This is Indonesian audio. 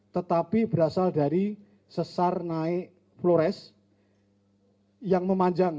tetapi berasal dari sesar naik flores yang memanjang